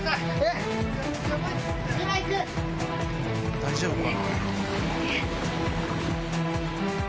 大丈夫かな？